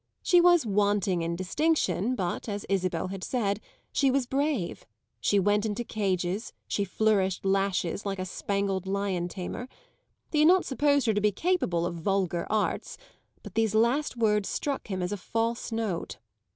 She was wanting in distinction, but, as Isabel had said, she was brave: she went into cages, she flourished lashes, like a spangled lion tamer. He had not supposed her to be capable of vulgar arts, but these last words struck him as a false note.